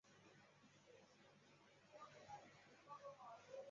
目前效力于中甲球队武汉卓尔。